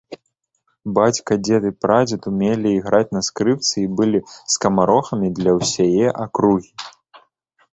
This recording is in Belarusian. Бацька, дзед і прадзед умелі іграць на скрыпцы і былі скамарохамі для ўсяе акругі.